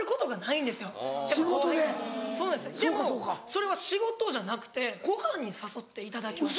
それは仕事じゃなくてご飯に誘っていただきまして。